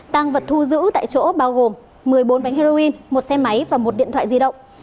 tăng vật thu giữ tại chỗ bao gồm một mươi bốn bánh heroin một xe máy và một điện thoại di động